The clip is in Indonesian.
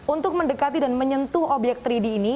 untuk mendekati dan menyentuh obyek tiga d ini